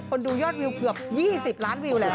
ดูยอดวิวเกือบ๒๐ล้านวิวแล้ว